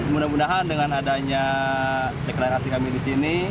mudah mudahan dengan adanya deklarasi kami di sini